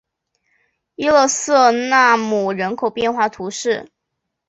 伊勒瑟奈姆人口变化图示